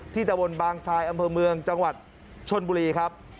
ตะวนบางทรายอำเภอเมืองจังหวัดชนบุรีครับ